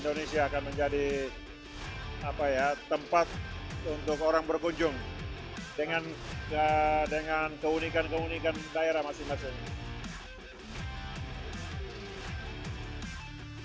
indonesia akan menjadi tempat untuk orang berkunjung dengan keunikan keunikan daerah masing masing